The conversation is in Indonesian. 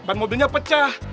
ban mobilnya pecah